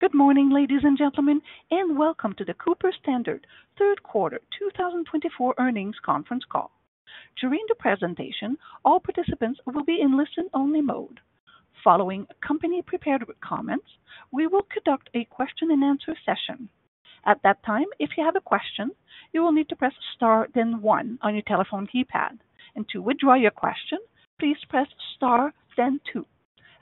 Good morning, ladies and gentlemen, and welcome to Cooper Standard third quarter 2024 earnings conference call. During the presentation, all participants will be in listen-only mode. Following company-prepared comments, we will conduct a question-and-answer session. At that time, if you have a question, you will need to press star then one on your telephone keypad. And to withdraw your question, please press star then two.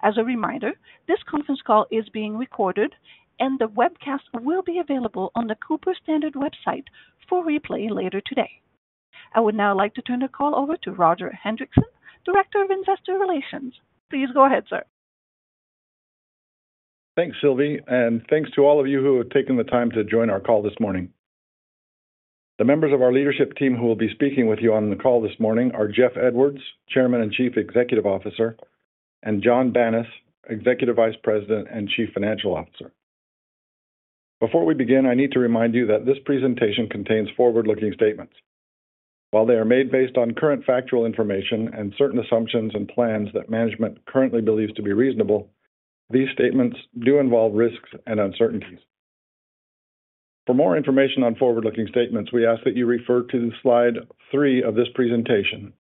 As a reminder, this conference call is being recorded, and the webcast will be available on Cooper Standard website for replay later today. I would now like to turn the call over to Roger Hendriksen, Director of Investor Relations. Please go ahead, sir. Thanks, Sylvie, and thanks to all of you who have taken the time to join our call this morning. The members of our leadership team who will be speaking with you on the call this morning are Jeff Edwards, Chairman and Chief Executive Officer, and Jon Banas, Executive Vice President and Chief Financial Officer. Before we begin, I need to remind you that this presentation contains forward-looking statements. While they are made based on current factual information and certain assumptions and plans that management currently believes to be reasonable, these statements do involve risks and uncertainties. For more information on forward-looking statements, we ask that you refer to slide three of this presentation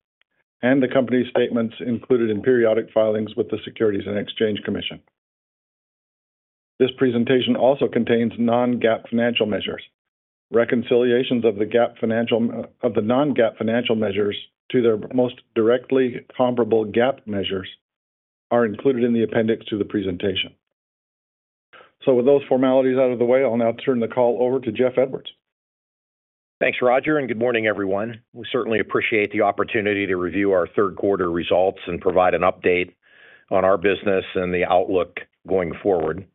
and the company's statements included in periodic filings with the Securities and Exchange Commission. This presentation also contains non-GAAP financial measures. Reconciliations of the non-GAAP financial measures to their most directly comparable GAAP measures are included in the appendix to the presentation, so with those formalities out of the way, I'll now turn the call over to Jeff Edwards. Thanks, Roger, and good morning, everyone. We certainly appreciate the opportunity to review our third quarter results and provide an update on our business and the outlook going forward.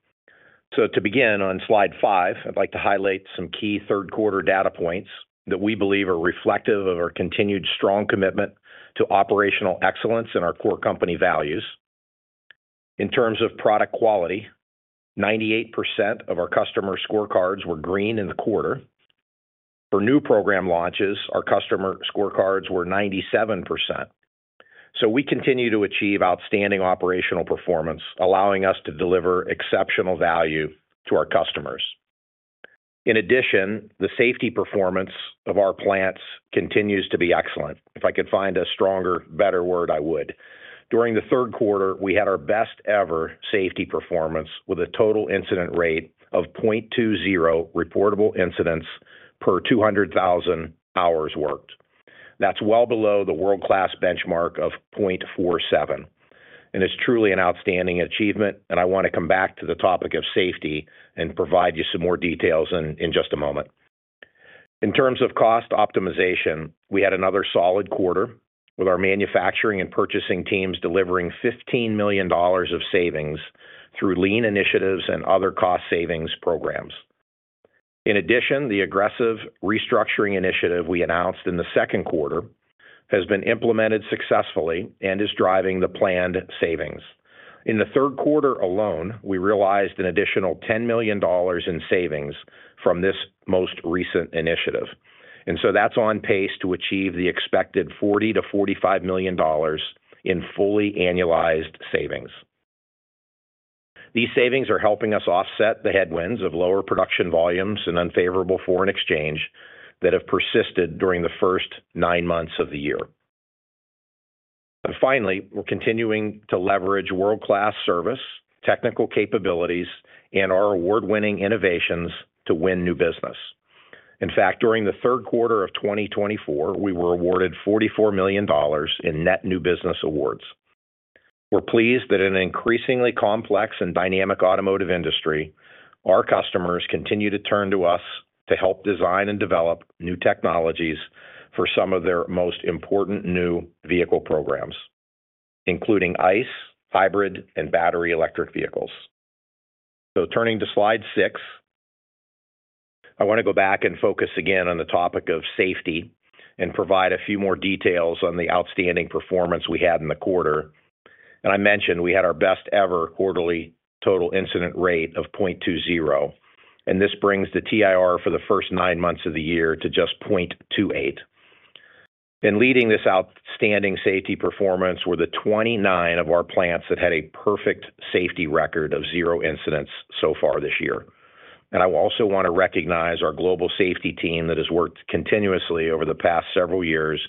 To begin on slide 5, I'd like to highlight some key third quarter data points that we believe are reflective of our continued strong commitment to operational excellence and our core company values. In terms of product quality, 98% of our customer scorecards were green in the quarter. For new program launches, our customer scorecards were 97%. We continue to achieve outstanding operational performance, allowing us to deliver exceptional value to our customers. In addition, the safety performance of our plants continues to be excellent. If I could find a stronger, better word, I would. During the third quarter, we had our best-ever safety performance with a total incident rate of 0.20 reportable incidents per 200,000 hours worked. That's well below the world-class benchmark of 0.47. And it's truly an outstanding achievement, and I want to come back to the topic of safety and provide you some more details in just a moment. In terms of cost optimization, we had another solid quarter, with our manufacturing and purchasing teams delivering $15 million of savings through lean initiatives and other cost savings programs. In addition, the aggressive restructuring initiative we announced in the second quarter has been implemented successfully and is driving the planned savings. In the third quarter alone, we realized an additional $10 million in savings from this most recent initiative. And so, that's on pace to achieve the expected $40 million-$45 million in fully annualized savings. These savings are helping us offset the headwinds of lower production volumes and unfavorable foreign exchange that have persisted during the first nine months of the year. Finally, we're continuing to leverage world-class service, technical capabilities, and our award-winning innovations to win new business. In fact, during the third quarter of 2024, we were awarded $44 million in net new business awards. We're pleased that in an increasingly complex and dynamic automotive industry, our customers continue to turn to us to help design and develop new technologies for some of their most important new vehicle programs, including ICE, hybrid, and battery electric vehicles. Turning to slide 6, I want to go back and focus again on the topic of safety and provide a few more details on the outstanding performance we had in the quarter. I mentioned we had our best-ever quarterly total incident rate of 0.20, and this brings the TIR for the first nine months of the year to just 0.28. Leading this outstanding safety performance were the 29 of our plants that had a perfect safety record of zero incidents so far this year. I also want to recognize our global safety team that has worked continuously over the past several years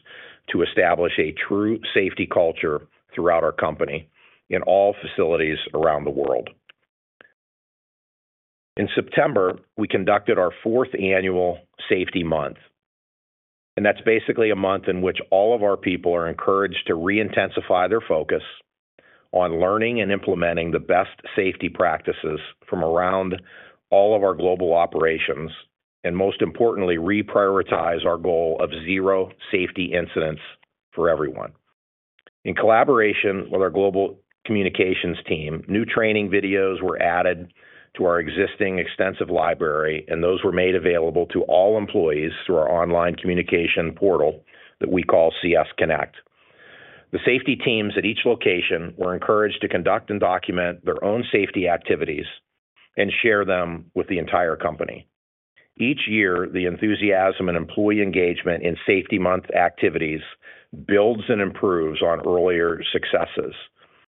to establish a true safety culture throughout our company in all facilities around the world. In September, we conducted our fourth annual Safety Month, and that's basically a month in which all of our people are encouraged to re-intensify their focus on learning and implementing the best safety practices from around all of our global operations, and most importantly, reprioritize our goal of zero safety incidents for everyone. In collaboration with our global communications team, new training videos were added to our existing extensive library, and those were made available to all employees through our online communication portal that we call CS Connect. The safety teams at each location were encouraged to conduct and document their own safety activities and share them with the entire company. Each year, the enthusiasm and employee engagement in Safety Month activities builds and improves on earlier successes,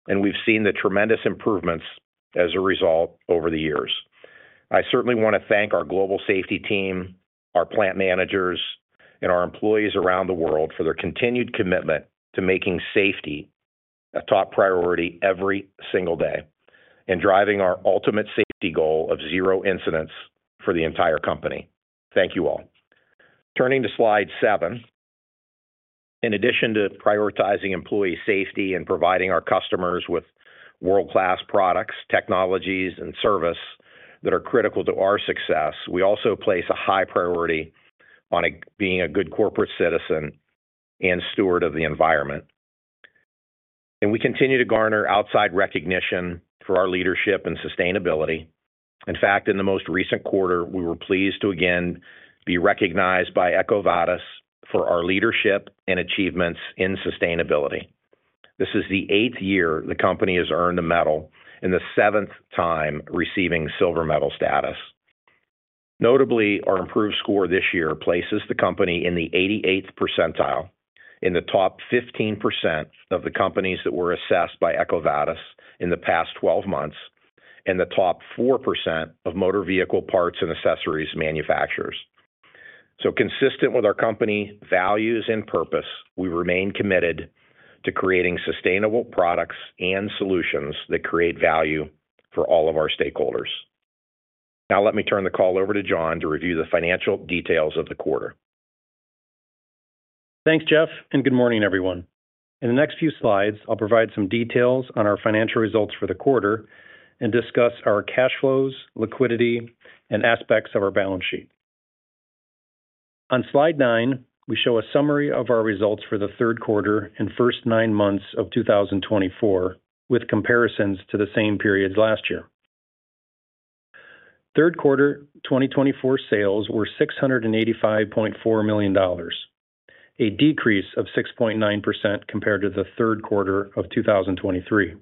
and we've seen the tremendous improvements as a result over the years. I certainly want to thank our global safety team, our plant managers, and our employees around the world for their continued commitment to making safety a top priority every single day and driving our ultimate safety goal of zero incidents for the entire company. Thank you all. Turning to slide 7, in addition to prioritizing employee safety and providing our customers with world-class products, technologies, and service that are critical to our success, we also place a high priority on being a good corporate citizen and steward of the environment. We continue to garner outside recognition for our leadership and sustainability. In fact, in the most recent quarter, we were pleased to again be recognized by EcoVadis for our leadership and achievements in sustainability. This is the eighth year the company has earned a medal and the seventh time receiving silver medal status. Notably, our improved score this year places the company in the 88th percentile in the top 15% of the companies that were assessed by EcoVadis in the past 12 months and the top 4% of motor vehicle parts and accessories manufacturers. Consistent with our company values and purpose, we remain committed to creating sustainable products and solutions that create value for all of our stakeholders. Now, let me turn the call over to Jon to review the financial details of the quarter. Thanks, Jeff, and good morning, everyone. In the next few slides, I'll provide some details on our financial results for the quarter and discuss our cash flows, liquidity, and aspects of our balance sheet. On slide 9, we show a summary of our results for the third quarter and first nine months of 2024 with comparisons to the same periods last year. Third quarter 2024 sales were $685.4 million, a decrease of 6.9% compared to the third quarter of 2023.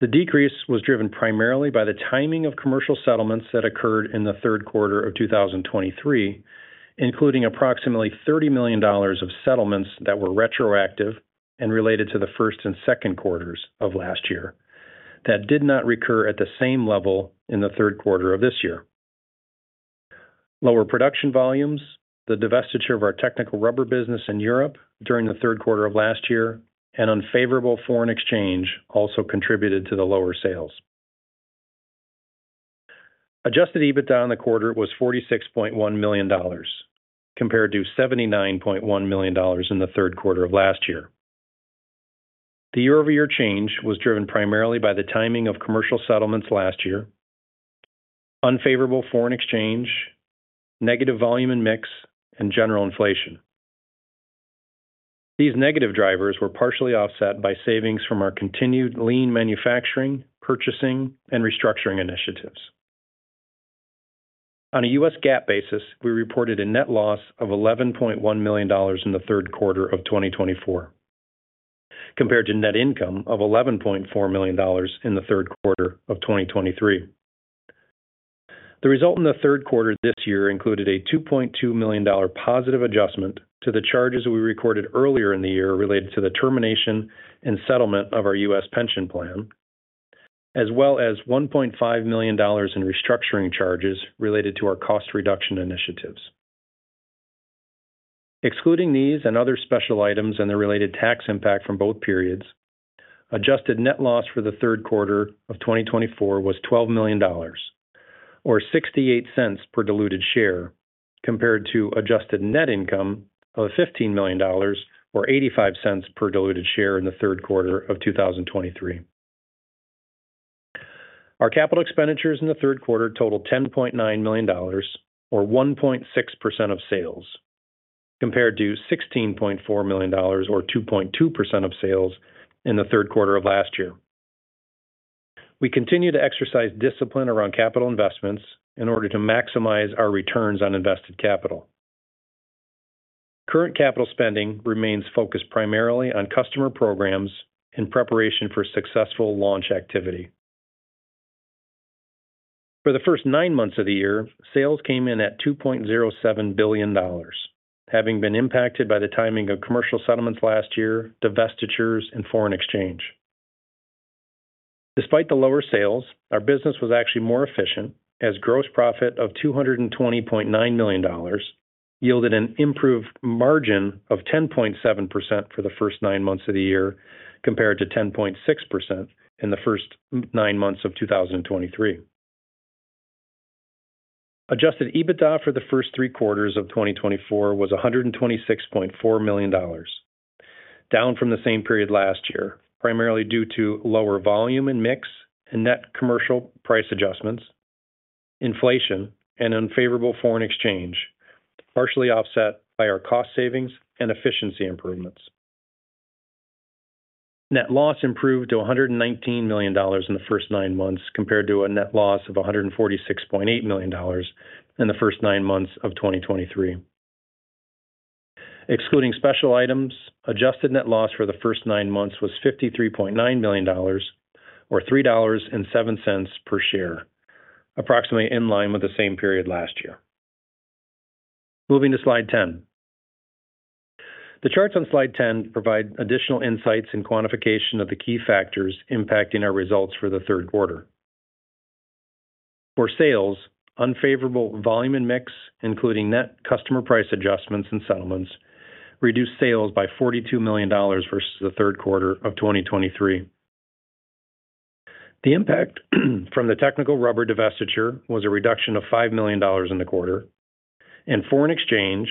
The decrease was driven primarily by the timing of commercial settlements that occurred in the third quarter of 2023, including approximately $30 million of settlements that were retroactive and related to the first and second quarters of last year that did not recur at the same level in the third quarter of this year. Lower production volumes, the divestiture of our technical rubber business in Europe during the third quarter of last year, and unfavorable foreign exchange also contributed to the lower sales. Adjusted EBITDA on the quarter was $46.1 million, compared to $79.1 million in the third quarter of last year. The year-over-year change was driven primarily by the timing of commercial settlements last year, unfavorable foreign exchange, negative volume and mix, and general inflation. These negative drivers were partially offset by savings from our continued lean manufacturing, purchasing, and restructuring initiatives. On a U.S. GAAP basis, we reported a net loss of $11.1 million in the third quarter of 2024, compared to net income of $11.4 million in the third quarter of 2023. The result in the third quarter this year included a $2.2 million positive adjustment to the charges we recorded earlier in the year related to the termination and settlement of our U.S. pension plan, as well as $1.5 million in restructuring charges related to our cost reduction initiatives. Excluding these and other special items and the related tax impact from both periods, adjusted net loss for the third quarter of 2024 was $12 million, or $0.68 per diluted share, compared to adjusted net income of $15 million, or $0.85 per diluted share in the third quarter of 2023. Our capital expenditures in the third quarter totaled $10.9 million, or 1.6% of sales, compared to $16.4 million, or 2.2% of sales, in the third quarter of last year. We continue to exercise discipline around capital investments in order to maximize our returns on invested capital. Current capital spending remains focused primarily on customer programs in preparation for successful launch activity. For the first nine months of the year, sales came in at $2.07 billion, having been impacted by the timing of commercial settlements last year, divestitures, and foreign exchange. Despite the lower sales, our business was actually more efficient, as gross profit of $220.9 million yielded an improved margin of 10.7% for the first nine months of the year, compared to 10.6% in the first nine months of 2023. Adjusted EBITDA for the first three quarters of 2024 was $126.4 million, down from the same period last year, primarily due to lower volume and mix and net commercial price adjustments, inflation, and unfavorable foreign exchange, partially offset by our cost savings and efficiency improvements. Net loss improved to $119 million in the first nine months, compared to a net loss of $146.8 million in the first nine months of 2023. Excluding special items, adjusted net loss for the first nine months was $53.9 million, or $3.07 per share, approximately in line with the same period last year. Moving to slide 10, the charts on slide 10 provide additional insights and quantification of the key factors impacting our results for the third quarter. For sales, unfavorable volume and mix, including net customer price adjustments and settlements, reduced sales by $42 million versus the third quarter of 2023. The impact from the technical rubber divestiture was a reduction of $5 million in the quarter, and foreign exchange,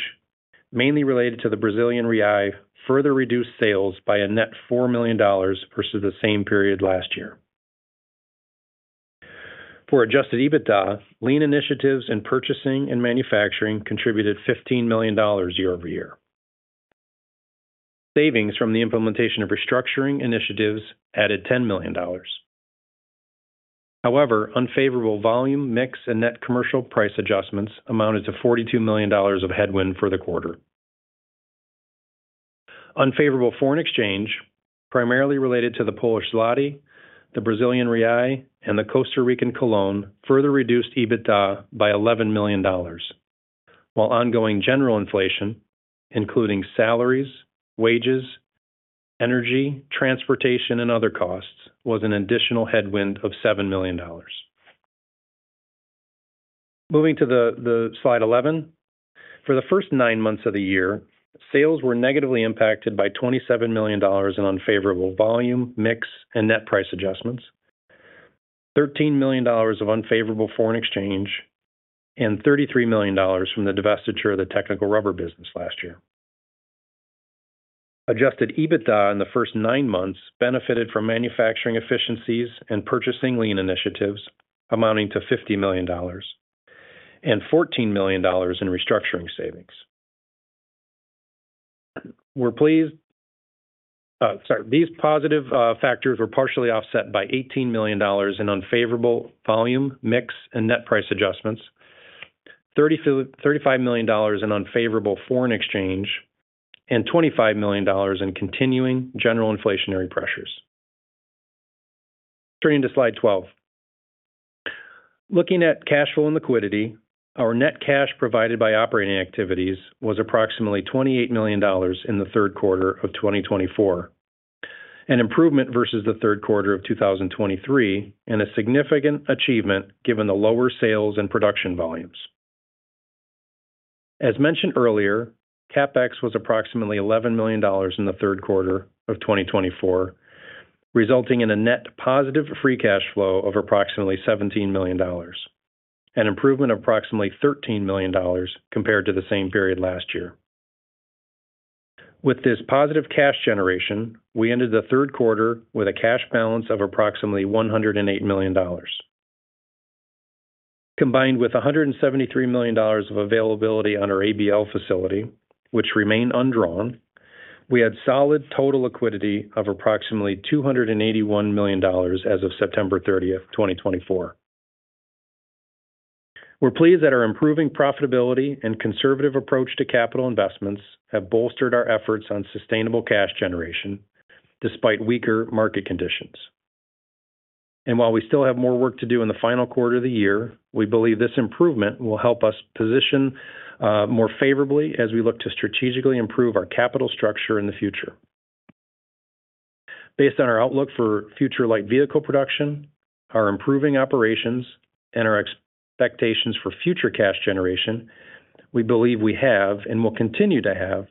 mainly related to the Brazilian real, further reduced sales by a net $4 million versus the same period last year. For adjusted EBITDA, lean initiatives in purchasing and manufacturing contributed $15 million year-over-year. Savings from the implementation of restructuring initiatives added $10 million. However, unfavorable volume, mix, and net commercial price adjustments amounted to $42 million of headwind for the quarter. Unfavorable foreign exchange, primarily related to the Polish zloty, the Brazilian real, and the Costa Rican colon, further reduced EBITDA by $11 million, while ongoing general inflation, including salaries, wages, energy, transportation, and other costs, was an additional headwind of $7 million. Moving to slide 11, for the first nine months of the year, sales were negatively impacted by $27 million in unfavorable volume, mix, and net price adjustments, $13 million of unfavorable foreign exchange, and $33 million from the divestiture of the technical rubber business last year. Adjusted EBITDA in the first nine months benefited from manufacturing efficiencies and purchasing lean initiatives, amounting to $50 million, and $14 million in restructuring savings. These positive factors were partially offset by $18 million in unfavorable volume, mix, and net price adjustments, $35 million in unfavorable foreign exchange, and $25 million in continuing general inflationary pressures. Turning to slide 12, looking at cash flow and liquidity, our net cash provided by operating activities was approximately $28 million in the third quarter of 2024, an improvement versus the third quarter of 2023, and a significant achievement given the lower sales and production volumes. As mentioned earlier, CapEx was approximately $11 million in the third quarter of 2024, resulting in a net positive free cash flow of approximately $17 million, an improvement of approximately $13 million compared to the same period last year. With this positive cash generation, we ended the third quarter with a cash balance of approximately $108 million. Combined with $173 million of availability on our ABL facility, which remained undrawn, we had solid total liquidity of approximately $281 million as of September 30th, 2024. We're pleased that our improving profitability and conservative approach to capital investments have bolstered our efforts on sustainable cash generation despite weaker market conditions, and while we still have more work to do in the final quarter of the year, we believe this improvement will help us position more favorably as we look to strategically improve our capital structure in the future. Based on our outlook for future light vehicle production, our improving operations, and our expectations for future cash generation, we believe we have and will continue to have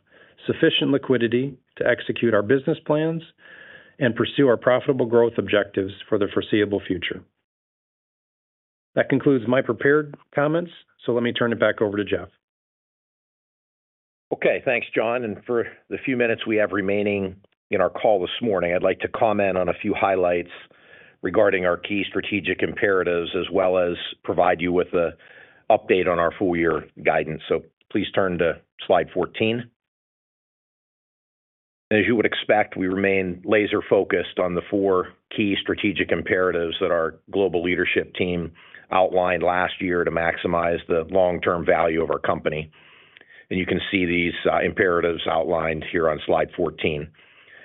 sufficient liquidity to execute our business plans and pursue our profitable growth objectives for the foreseeable future. That concludes my prepared comments, so let me turn it back over to Jeff. Okay, thanks, Jon, and for the few minutes we have remaining in our call this morning, I'd like to comment on a few highlights regarding our key strategic imperatives, as well as provide you with an update on our full-year guidance. Please turn to slide 14. As you would expect, we remain laser-focused on the four key strategic imperatives that our global leadership team outlined last year to maximize the long-term value of our company, and you can see these imperatives outlined here on slide 14.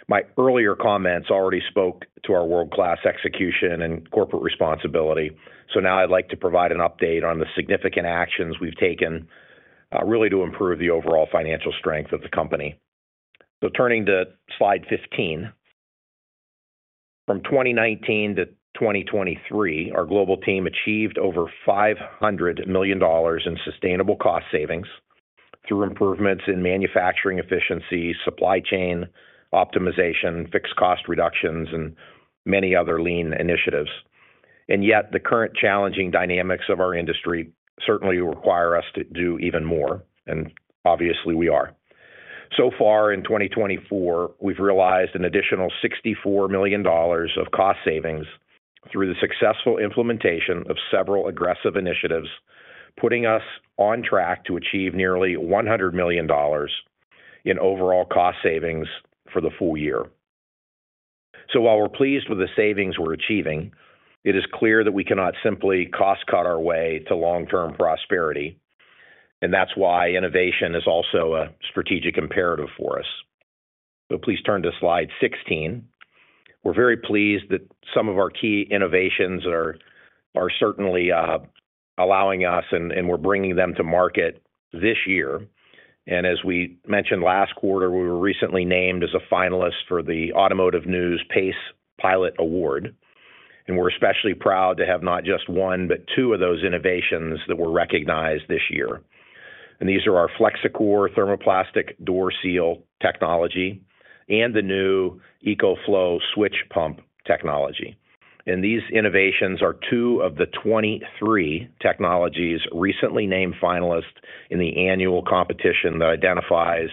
My earlier comments already spoke to our world-class execution and corporate responsibility, so now I'd like to provide an update on the significant actions we've taken really to improve the overall financial strength of the company. So turning to slide 15, from 2019 to 2023, our global team achieved over $500 million in sustainable cost savings through improvements in manufacturing efficiency, supply chain optimization, fixed cost reductions, and many other lean initiatives. And yet, the current challenging dynamics of our industry certainly require us to do even more, and obviously, we are. So far in 2024, we've realized an additional $64 million of cost savings through the successful implementation of several aggressive initiatives, putting us on track to achieve nearly $100 million in overall cost savings for the full year. So while we're pleased with the savings we're achieving, it is clear that we cannot simply cost-cut our way to long-term prosperity, and that's why innovation is also a strategic imperative for us. So please turn to slide 16. We're very pleased that some of our key innovations are certainly allowing us, and we're bringing them to market this year. And as we mentioned last quarter, we were recently named as a finalist for the Automotive News PACE Pilot Award, and we're especially proud to have not just one, but two of those innovations that were recognized this year. And these are our FlexiCore thermoplastic door seal technology and the new eCoFlow switch pump technology. And these innovations are two of the 23 technologies recently named finalists in the annual competition that identifies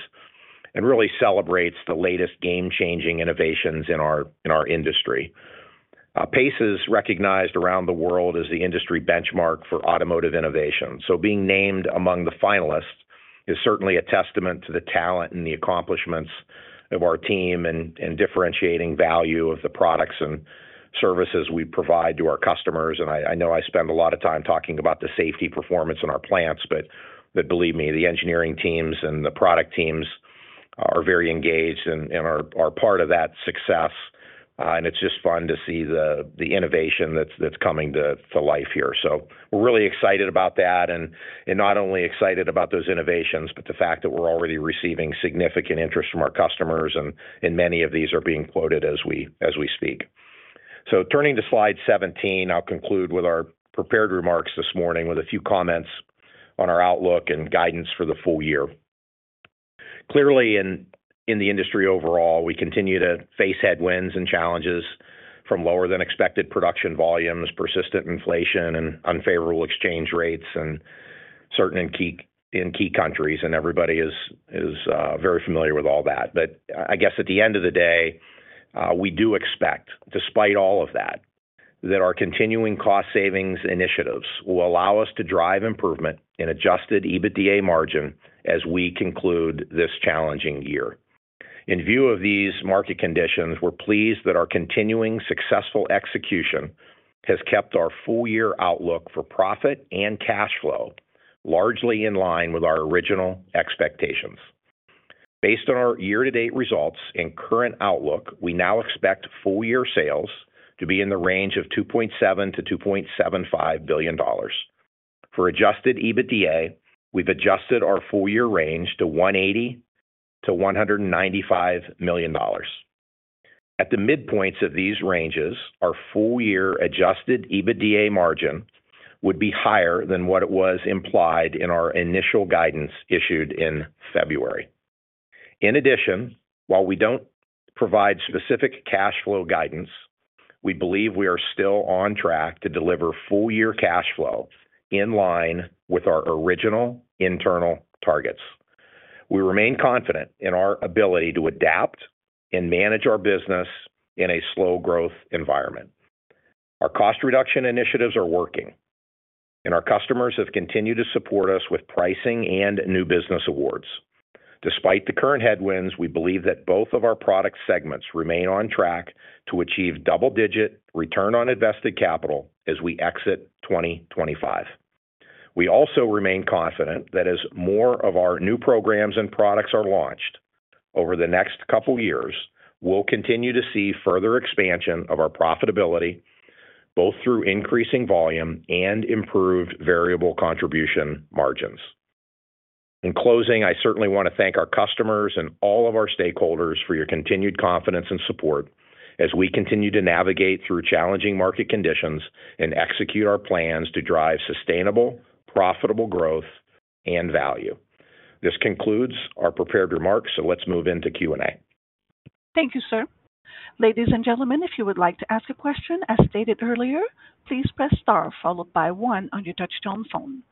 and really celebrates the latest game-changing innovations in our industry. PACE is recognized around the world as the industry benchmark for automotive innovation. So being named among the finalists is certainly a testament to the talent and the accomplishments of our team and differentiating value of the products and services we provide to our customers. And I know I spend a lot of time talking about the safety performance in our plants, but believe me, the engineering teams and the product teams are very engaged and are part of that success. And it's just fun to see the innovation that's coming to life here. So we're really excited about that, and not only excited about those innovations, but the fact that we're already receiving significant interest from our customers, and many of these are being quoted as we speak. So turning to slide 17, I'll conclude with our prepared remarks this morning with a few comments on our outlook and guidance for the full year. Clearly, in the industry overall, we continue to face headwinds and challenges from lower-than-expected production volumes, persistent inflation, and unfavorable exchange rates in key countries, and everybody is very familiar with all that. But I guess at the end of the day, we do expect, despite all of that, that our continuing cost savings initiatives will allow us to drive improvement in adjusted EBITDA margin as we conclude this challenging year. In view of these market conditions, we're pleased that our continuing successful execution has kept our full-year outlook for profit and cash flow largely in line with our original expectations. Based on our year-to-date results and current outlook, we now expect full-year sales to be in the range of $2.7 billion-$2.75 billion. For adjusted EBITDA, we've adjusted our full-year range to $180 million-$195 million. At the midpoints of these ranges, our full-year adjusted EBITDA margin would be higher than what it was implied in our initial guidance issued in February. In addition, while we don't provide specific cash flow guidance, we believe we are still on track to deliver full-year cash flow in line with our original internal targets. We remain confident in our ability to adapt and manage our business in a slow-growth environment. Our cost reduction initiatives are working, and our customers have continued to support us with pricing and new business awards. Despite the current headwinds, we believe that both of our product segments remain on track to achieve double-digit return on invested capital as we exit 2025. We also remain confident that as more of our new programs and products are launched over the next couple of years, we'll continue to see further expansion of our profitability, both through increasing volume and improved variable contribution margins. In closing, I certainly want to thank our customers and all of our stakeholders for your continued confidence and support as we continue to navigate through challenging market conditions and execute our plans to drive sustainable, profitable growth and value. This concludes our prepared remarks, so let's move into Q&A. Thank you, sir. Ladies and gentlemen, if you would like to ask a question, as stated earlier, please press star followed by one on your touch-tone phone.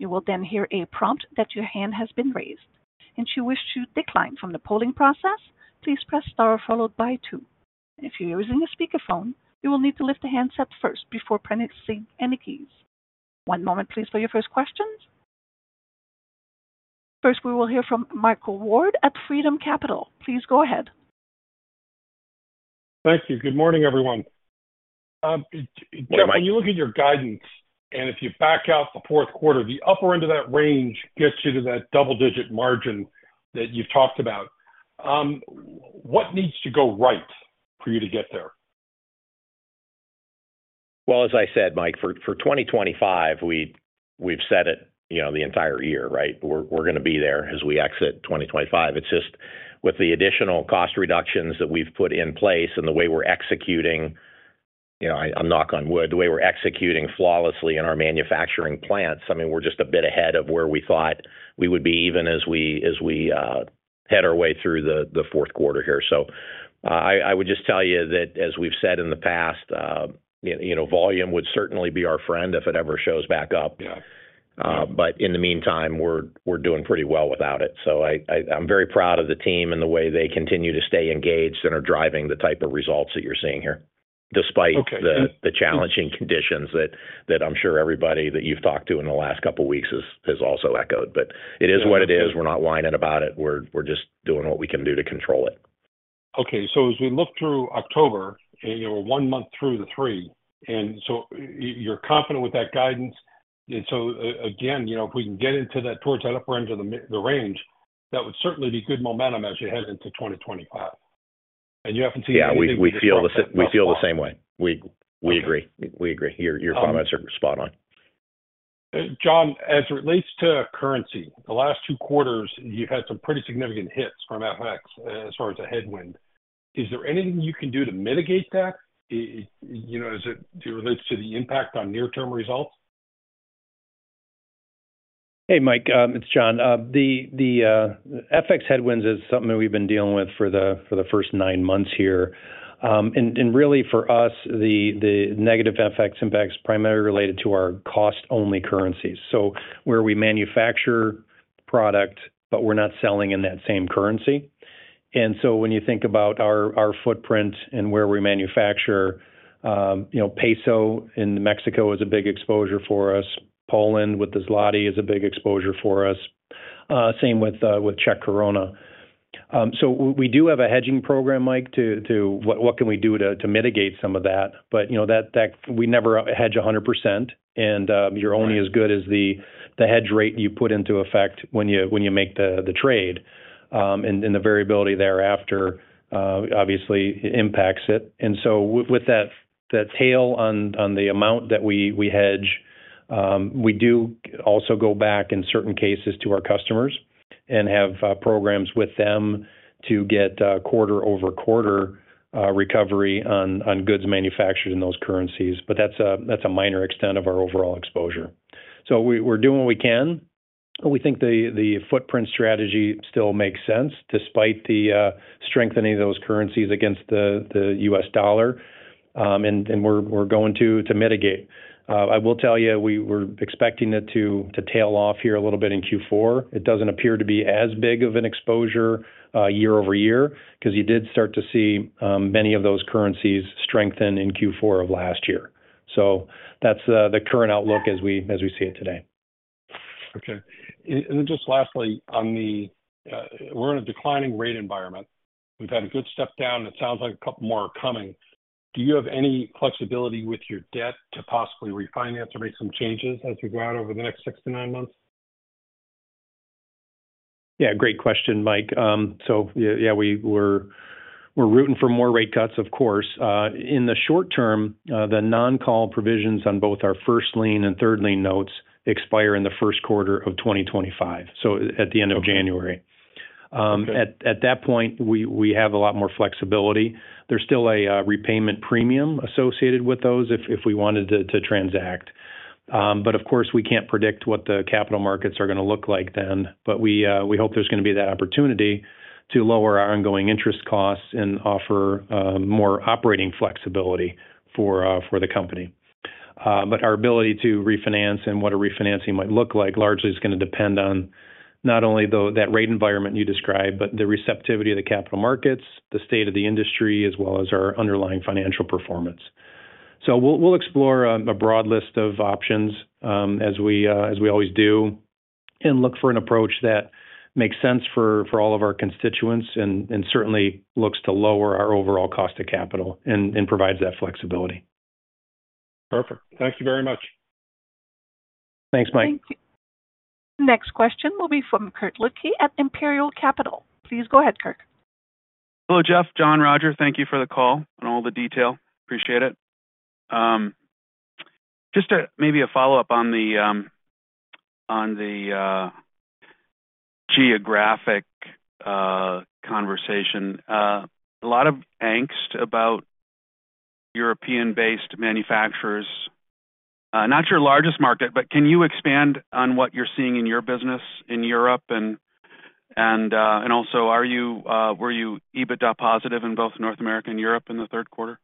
You will then hear a prompt that your hand has been raised, and if you wish to decline from the polling process, please press star followed by two, and if you're using a speakerphone, you will need to lift the handset first before pressing any keys. One moment, please, for your first questions. First, we will hear from Michael Ward at Freedom Capital. Please go ahead. Thank you. Good morning, everyone. Jeff, when you look at your guidance, and if you back out the fourth quarter, the upper end of that range gets you to that double-digit margin that you've talked about, what needs to go right for you to get there? Well, as I said, Mike, for 2025, we've said it the entire year, right? We're going to be there as we exit 2025. It's just with the additional cost reductions that we've put in place and the way we're executing (I'm knocking on wood) the way we're executing flawlessly in our manufacturing plants, I mean, we're just a bit ahead of where we thought we would be even as we head our way through the fourth quarter here. So I would just tell you that, as we've said in the past, volume would certainly be our friend if it ever shows back up. But in the meantime, we're doing pretty well without it. So I'm very proud of the team and the way they continue to stay engaged and are driving the type of results that you're seeing here, despite the challenging conditions that I'm sure everybody that you've talked to in the last couple of weeks has also echoed. But it is what it is. We're not whining about it. We're just doing what we can do to control it. Okay, so as we look through October, we're one month through the three, and so you're confident with that guidance. And so again, if we can get into that towards that upper end of the range, that would certainly be good momentum as you head into 2025, and you often see the same thing. Yeah, we feel the same way. We agree. We agree. Your comments are spot on. Jon, as it relates to currency, the last two quarters, you've had some pretty significant hits from FX as far as the headwind. Is there anything you can do to mitigate that as it relates to the impact on near-term results? Hey, Mike, it's Jon. The FX headwinds is something we've been dealing with for the first nine months here, and really, for us, the negative FX impact is primarily related to our cost-only currencies, so where we manufacture product, but we're not selling in that same currency, and so when you think about our footprint and where we manufacture, peso in Mexico is a big exposure for us. Poland, with the zloty, is a big exposure for us. Same with Czech koruna, so we do have a hedging program, Mike, to do what we can to mitigate some of that, but we never hedge 100%, and you're only as good as the hedge rate you put into effect when you make the trade, and the variability thereafter, obviously, impacts it. And so with that tail on the amount that we hedge, we do also go back in certain cases to our customers and have programs with them to get quarter-over-quarter recovery on goods manufactured in those currencies. But that's a minor extent of our overall exposure. So we're doing what we can. We think the footprint strategy still makes sense despite the strengthening of those currencies against the US dollar, and we're going to mitigate. I will tell you, we're expecting it to tail off here a little bit in Q4. It doesn't appear to be as big of an exposure year over year because you did start to see many of those currencies strengthen in Q4 of last year. So that's the current outlook as we see it today. Okay, and then just lastly, we're in a declining rate environment. We've had a good step down. It sounds like a couple more are coming. Do you have any flexibility with your debt to possibly refinance or make some changes as we go out over the next six to nine months? Yeah, great question, Mike. So yeah, we're rooting for more rate cuts, of course. In the short term, the non-call provisions on both our first lien and third lien notes expire in the first quarter of 2025, so at the end of January. At that point, we have a lot more flexibility. There's still a repayment premium associated with those if we wanted to transact. But of course, we can't predict what the capital markets are going to look like then. But we hope there's going to be that opportunity to lower our ongoing interest costs and offer more operating flexibility for the company. But our ability to refinance and what a refinancing might look like largely is going to depend on not only that rate environment you described, but the receptivity of the capital markets, the state of the industry, as well as our underlying financial performance. So we'll explore a broad list of options as we always do and look for an approach that makes sense for all of our constituents and certainly looks to lower our overall cost of capital and provides that flexibility. Perfect. Thank you very much. Thanks, Mike. Thank you. Next question will be from Curt Lickey at Imperial Capital. Please go ahead, Curt. Hello, Jeff. Jon, Roger, thank you for the call and all the detail. Appreciate it. Just maybe a follow-up on the geographic conversation. A lot of angst about European-based manufacturers. Not your largest market, but can you expand on what you're seeing in your business in Europe? And also, were you EBITDA positive in both North America and Europe in the third quarter?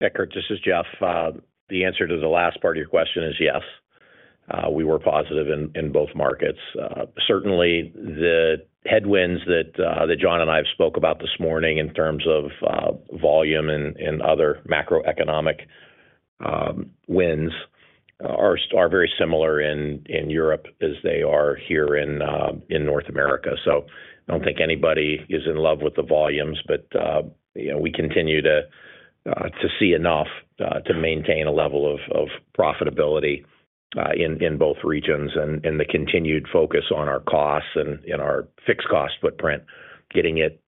Yeah, Curt, this is Jeff. The answer to the last part of your question is yes. We were positive in both markets. Certainly, the headwinds that Jon and I have spoke about this morning in terms of volume and other macroeconomic winds are very similar in Europe as they are here in North America. So I don't think anybody is in love with the volumes, but we continue to see enough to maintain a level of profitability in both regions, and the continued focus on our costs and our fixed cost footprint, getting it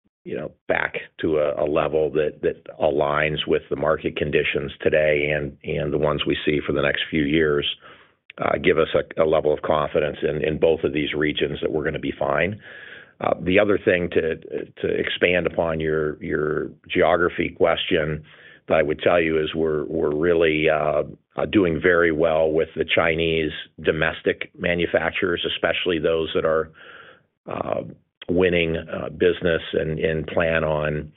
back to a level that aligns with the market conditions today and the ones we see for the next few years, give us a level of confidence in both of these regions that we're going to be fine. The other thing to expand upon your geography question that I would tell you is we're really doing very well with the Chinese domestic manufacturers, especially those that are winning business and plan on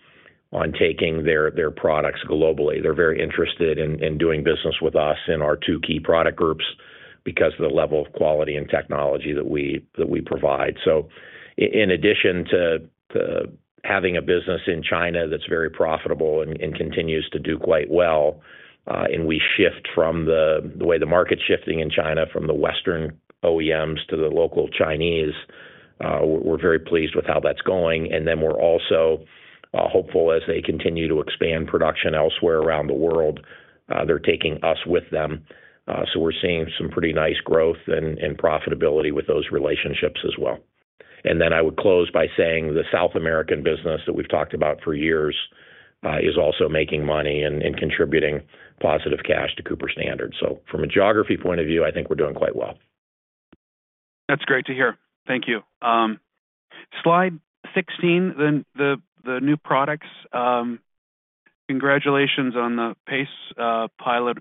taking their products globally. They're very interested in doing business with us in our two key product groups because of the level of quality and technology that we provide. So in addition to having a business in China that's very profitable and continues to do quite well, and we shift from the way the market's shifting in China from the Western OEMs to the local Chinese, we're very pleased with how that's going. And then we're also hopeful as they continue to expand production elsewhere around the world, they're taking us with them. So we're seeing some pretty nice growth and profitability with those relationships as well. And then I would close by saying the South American business that we've talked about for years is also making money and contributing positive cash Cooper Standard. so from a geography point of view, I think we're doing quite well. That's great to hear. Thank you. Slide 16, the new products. Congratulations on the PACE pilot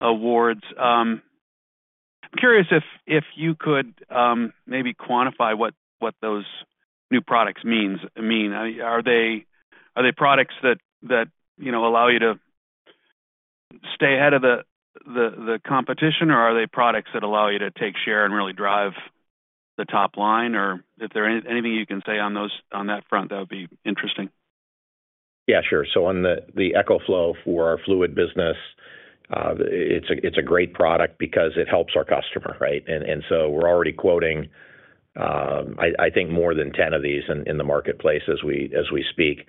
awards. I'm curious if you could maybe quantify what those new products mean. Are they products that allow you to stay ahead of the competition, or are they products that allow you to take share and really drive the top line? Or if there's anything you can say on that front, that would be interesting. Yeah, sure. So on the eCoFlow for our fluid business, it's a great product because it helps our customer, right? And so we're already quoting, I think, more than 10 of these in the marketplace as we speak.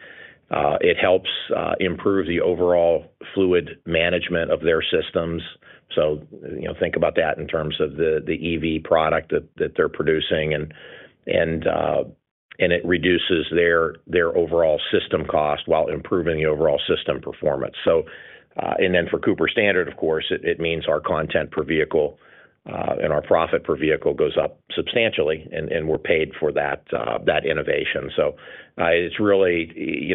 It helps improve the overall fluid management of their systems. So think about that in terms of the EV product that they're producing, and it reduces their overall system cost while improving the overall system performance. And then Cooper Standard, of course, it means our content per vehicle and our profit per vehicle goes up substantially, and we're paid for that innovation. So it's really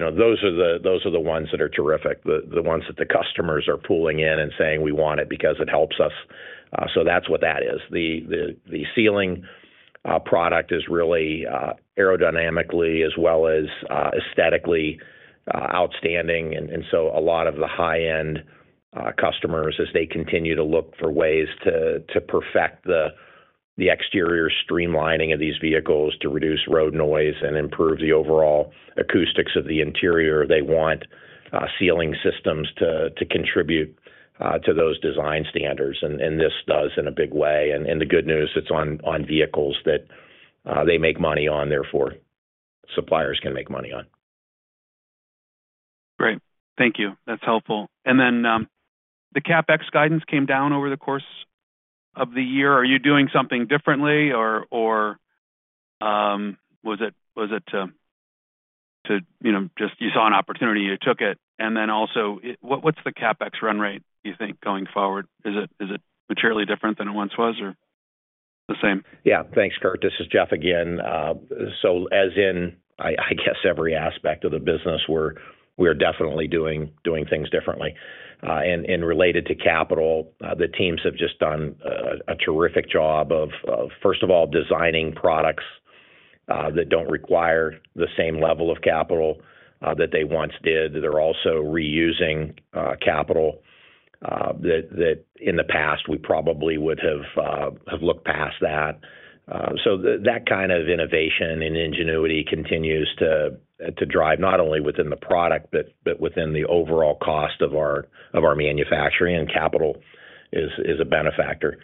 those are the ones that are terrific, the ones that the customers are pulling in and saying, "We want it because it helps us." So that's what that is. The sealing product is really aerodynamically as well as aesthetically outstanding. And so a lot of the high-end customers, as they continue to look for ways to perfect the exterior streamlining of these vehicles to reduce road noise and improve the overall acoustics of the interior, they want sealing systems to contribute to those design standards. And this does in a big way. And the good news, it's on vehicles that they make money on, therefore, suppliers can make money on. Great. Thank you. That's helpful. And then the CapEx guidance came down over the course of the year. Are you doing something differently, or was it that you just saw an opportunity, you took it? And then also, what's the CapEx run rate, do you think, going forward? Is it materially different than it once was or the same? Yeah. Thanks, Curt. This is Jeff again, so as in, I guess, every aspect of the business, we're definitely doing things differently, and related to capital, the teams have just done a terrific job of, first of all, designing products that don't require the same level of capital that they once did, they're also reusing capital that in the past, we probably would have looked past that, so that kind of innovation and ingenuity continues to drive not only within the product, but within the overall cost of our manufacturing, and capital is a benefactor,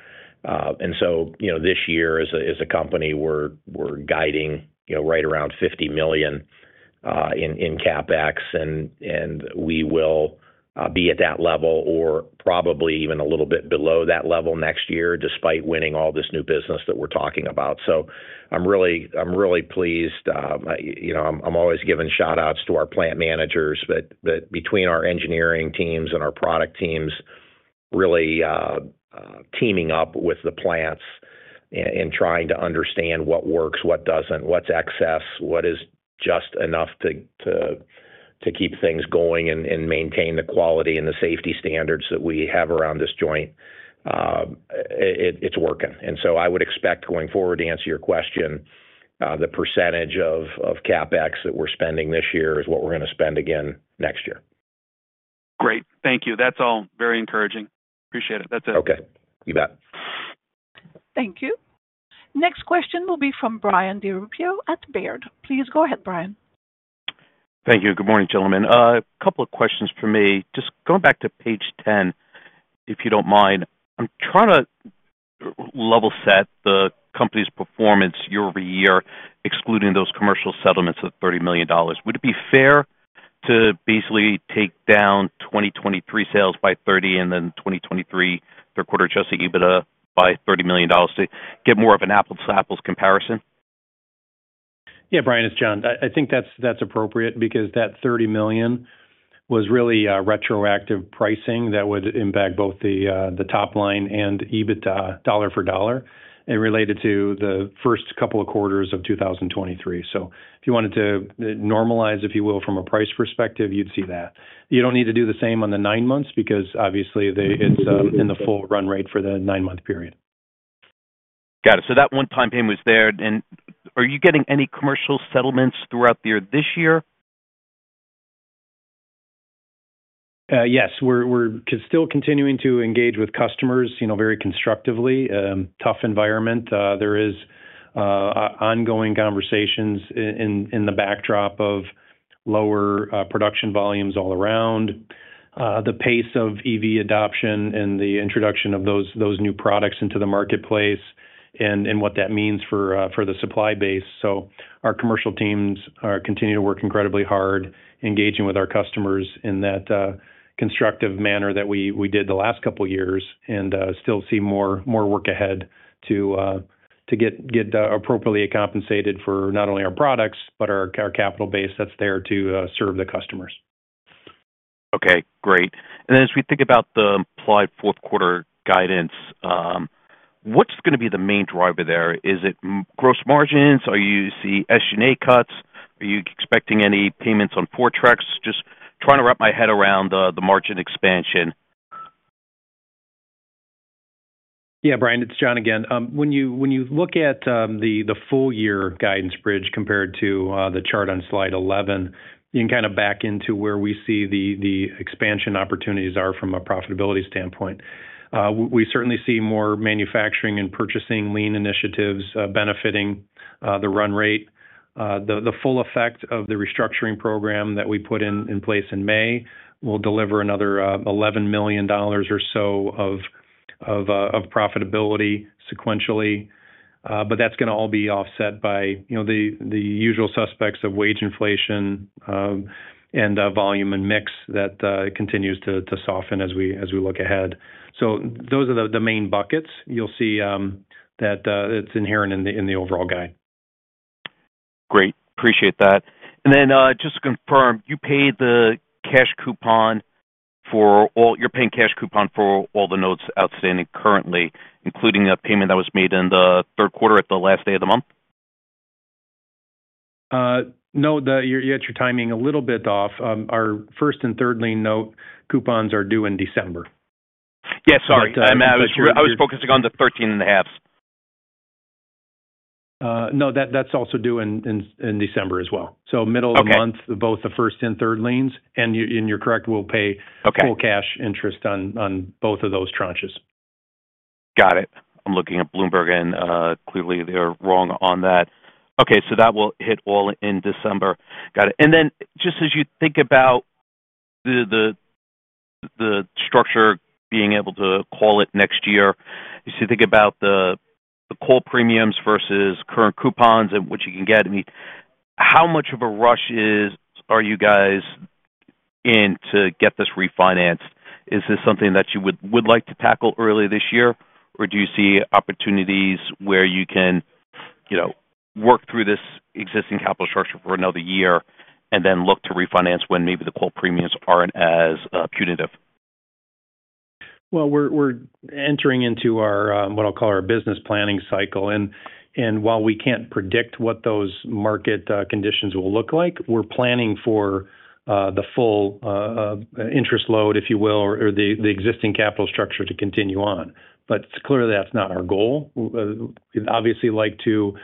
and so this year, as a company, we're guiding right around $50 million in CapEx, and we will be at that level or probably even a little bit below that level next year, despite winning all this new business that we're talking about, so I'm really pleased. I'm always giving shout-outs to our plant managers, but between our engineering teams and our product teams, really teaming up with the plants and trying to understand what works, what doesn't, what's excess, what is just enough to keep things going and maintain the quality and the safety standards that we have around this joint, it's working. And so I would expect going forward, to answer your question, the percentage of CapEx that we're spending this year is what we're going to spend again next year. Great. Thank you. That's all very encouraging. Appreciate it. That's it. Okay. You bet. Thank you. Next question will be from Brian DiRubbio at Baird. Please go ahead, Brian. Thank you. Good morning, gentlemen. A couple of questions for me. Just going back to page 10, if you don't mind, I'm trying to level set the company's performance year over year, excluding those commercial settlements of $30 million. Would it be fair to basically take down 2023 sales by 30 and then 2023 third quarter adjusted EBITDA by $30 million to get more of an apples-to-apples comparison? Yeah, Brian, it's Jon. I think that's appropriate because that $30 million was really retroactive pricing that would impact both the top line and EBITDA dollar for dollar and related to the first couple of quarters of 2023. So if you wanted to normalize, if you will, from a price perspective, you'd see that. You don't need to do the same on the nine months because, obviously, it's in the full run rate for the nine-month period. Got it. So that one-time payment was there. And are you getting any commercial settlements throughout the year this year? Yes. We're still continuing to engage with customers very constructively. Tough environment. There are ongoing conversations in the backdrop of lower production volumes all around, the pace of EV adoption and the introduction of those new products into the marketplace, and what that means for the supply base. So our commercial teams continue to work incredibly hard, engaging with our customers in that constructive manner that we did the last couple of years, and still see more work ahead to get appropriately compensated for not only our products, but our capital base that's there to serve the customers. Okay. Great. And then as we think about the implied fourth quarter guidance, what's going to be the main driver there? Is it gross margins? Are you seeing SG&A cuts? Are you expecting any payments on forwards? Just trying to wrap my head around the margin expansion. Yeah, Brian, it's Jon again. When you look at the full-year guidance bridge compared to the chart on slide 11, you can kind of back into where we see the expansion opportunities are from a profitability standpoint. We certainly see more manufacturing and purchasing lean initiatives benefiting the run rate. The full effect of the restructuring program that we put in place in May will deliver another $11 million or so of profitability sequentially. But that's going to all be offset by the usual suspects of wage inflation and volume and mix that continues to soften as we look ahead. So those are the main buckets. You'll see that it's inherent in the overall guide. Great. Appreciate that, and then just to confirm, you paid the cash coupon for all you're paying cash coupon for all the notes outstanding currently, including a payment that was made in the third quarter at the last day of the month? No, you got your timing a little bit off. Our first and third lien note coupons are due in December. Yeah, sorry. I was focusing on the 13 and a halves. No, that's also due in December as well, so middle of the month, both the first and third liens, and you're correct, we'll pay full cash interest on both of those tranches. Got it. I'm looking at Bloomberg, and clearly, they're wrong on that. Okay. So that will hit all in December. Got it. And then just as you think about the structure, being able to call it next year, as you think about the call premiums versus current coupons and what you can get, I mean, how much of a rush are you guys in to get this refinanced? Is this something that you would like to tackle early this year, or do you see opportunities where you can work through this existing capital structure for another year and then look to refinance when maybe the call premiums aren't as punitive? We're entering into what I'll call our business planning cycle. While we can't predict what those market conditions will look like, we're planning for the full interest load, if you will, or the existing capital structure to continue on. Clearly, that's not our goal. We'd obviously like to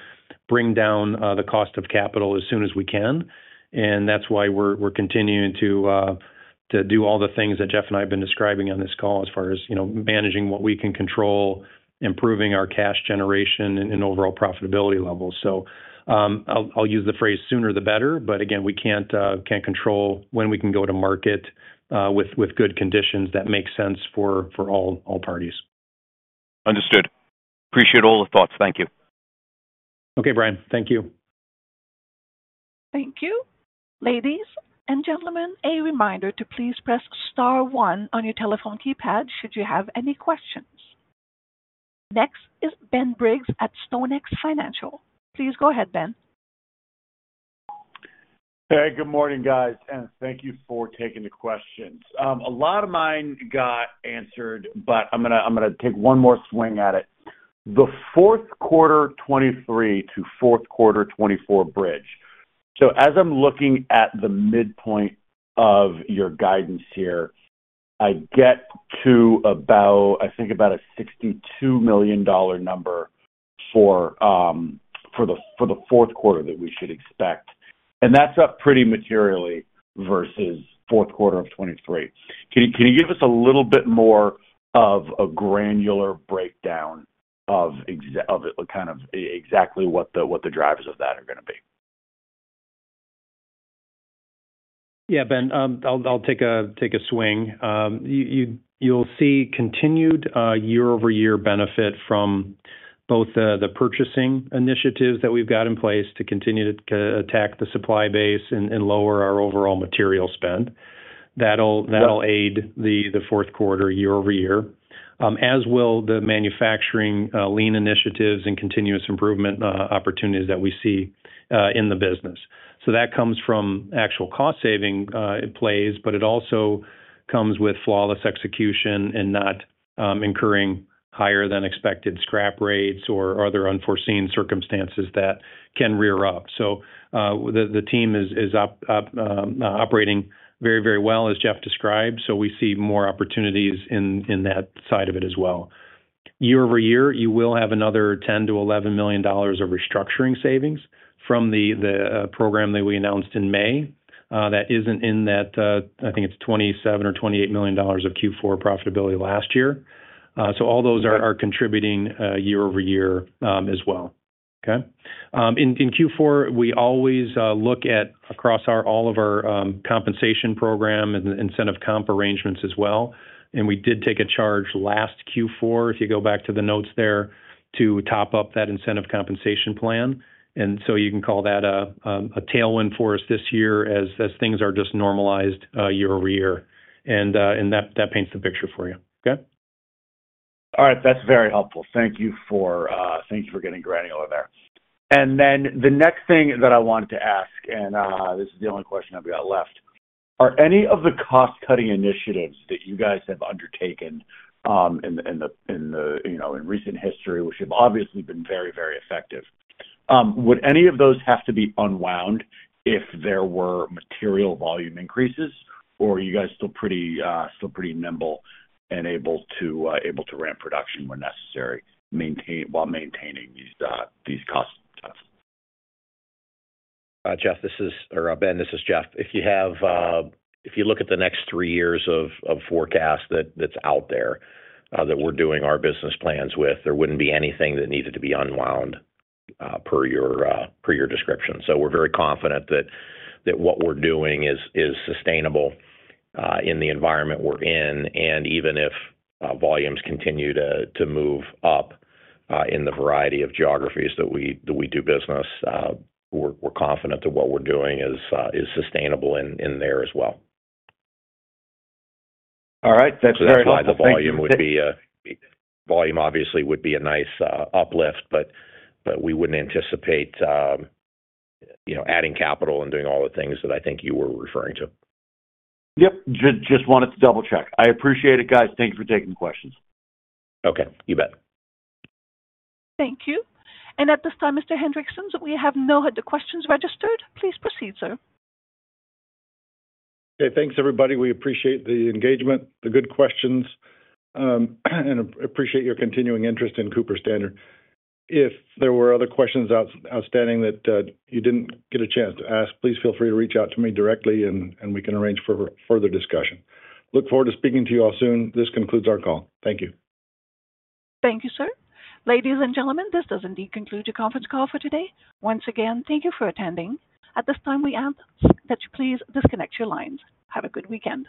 bring down the cost of capital as soon as we can. That's why we're continuing to do all the things that Jeff and I have been describing on this call as far as managing what we can control, improving our cash generation, and overall profitability levels. I'll use the phrase, "Sooner the better," but again, we can't control when we can go to market with good conditions that make sense for all parties. Understood. Appreciate all the thoughts. Thank you. Okay, Brian. Thank you. Thank you. Ladies and gentlemen, a reminder to please press star one on your telephone keypad should you have any questions. Next is Ben Briggs at StoneX Financial. Please go ahead, Ben. Hey, good morning, guys. And thank you for taking the questions. A lot of mine got answered, but I'm going to take one more swing at it. The fourth quarter 2023 to fourth quarter 2024 bridge. So as I'm looking at the midpoint of your guidance here, I get to about, I think, about a $62 million number for the fourth quarter that we should expect. And that's up pretty materially versus fourth quarter of 2023. Can you give us a little bit more of a granular breakdown of kind of exactly what the drivers of that are going to be? Yeah, Ben, I'll take a swing. You'll see continued year-over-year benefit from both the purchasing initiatives that we've got in place to continue to attack the supply base and lower our overall material spend. That'll aid the fourth quarter year-over-year, as will the manufacturing lean initiatives and continuous improvement opportunities that we see in the business. So that comes from actual cost-saving plays, but it also comes with flawless execution and not incurring higher-than-expected scrap rates or other unforeseen circumstances that can rear up. So the team is operating very, very well, as Jeff described. So we see more opportunities in that side of it as well. Year-over-year, you will have another $10 million-$11 million of restructuring savings from the program that we announced in May that isn't in that, I think it's $27 million or $28 million of Q4 profitability last year. So all those are contributing year-over-year as well. Okay? In Q4, we always look at across all of our compensation program and incentive comp arrangements as well. And we did take a charge last Q4, if you go back to the notes there, to top up that incentive compensation plan. And so you can call that a tailwind for us this year as things are just normalized year-over-year. And that paints the picture for you. Okay? All right. That's very helpful. Thank you for getting granular there. And then the next thing that I wanted to ask, and this is the only question I've got left, are any of the cost-cutting initiatives that you guys have undertaken in recent history, which have obviously been very, very effective, would any of those have to be unwound if there were material volume increases, or are you guys still pretty nimble and able to ramp production when necessary while maintaining these costs? Ben, this is Jeff. If you look at the next three years of forecast that's out there that we're doing our business plans with, there wouldn't be anything that needed to be unwound per your description. So we're very confident that what we're doing is sustainable in the environment we're in. And even if volumes continue to move up in the variety of geographies that we do business, we're confident that what we're doing is sustainable in there as well. All right. That's very helpful. That's why the volume, obviously, would be a nice uplift, but we wouldn't anticipate adding capital and doing all the things that I think you were referring to. Yep. Just wanted to double-check. I appreciate it, guys. Thank you for taking the questions. Okay. You bet. Thank you. And at this time, Mr. Hendriksen, we have no other questions registered. Please proceed, sir. Okay. Thanks, everybody. We appreciate the engagement, the good questions, and appreciate your continuing interest Cooper Standard. if there were other questions outstanding that you didn't get a chance to ask, please feel free to reach out to me directly, and we can arrange for further discussion. Look forward to speaking to you all soon. This concludes our call. Thank you. Thank you, sir. Ladies and gentlemen, this does indeed conclude your conference call for today. Once again, thank you for attending. At this time, we ask that you please disconnect your lines. Have a good weekend.